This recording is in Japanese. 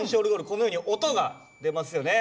このように音が出ますよね。